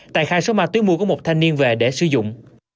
tài khai số ma túy mua của một thanh niên về để sử dụng